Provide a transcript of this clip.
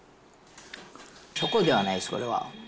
チョコではないです、これは。